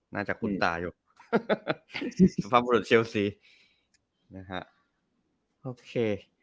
น่าจะคุ้นตาอยู่สภาพบุรุษเชียวซีนะฮะโอเค